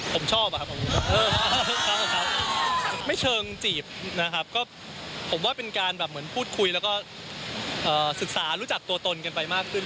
ผมชอบอะครับผมไม่เชิงจีบนะครับก็ผมว่าเป็นการแบบเหมือนพูดคุยแล้วก็ศึกษารู้จักตัวตนกันไปมากขึ้น